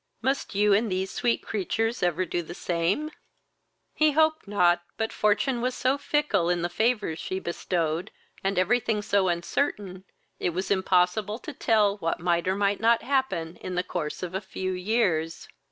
"Must you and these sweet creatures ever do the same?" He hoped not, but fortune was so fickle in the favours she bestowed, and every thing so uncertain, it was impossible to tell what might or might not happen in the course of a few years.